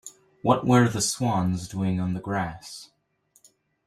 What were the swans doing on the grass?